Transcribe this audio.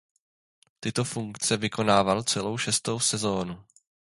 Tyto funkce vykonával celou šestou sezónu.